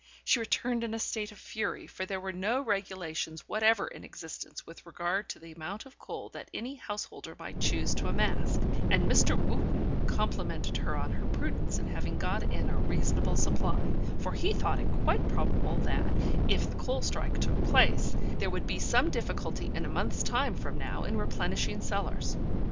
She returned in a state of fury, for there were no regulations whatever in existence with regard to the amount of coal that any householder might choose to amass, and Mr. Wootten complimented her on her prudence in having got in a reasonable supply, for he thought it quite probable that, if the coal strike took place, there would be some difficulty in a month's time from now in replenishing cellars.